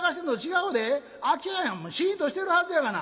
シーンとしてるはずやがな」。